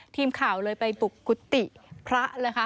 ทีมข่าวเลยไปปลุกกุฏิพระเลยค่ะ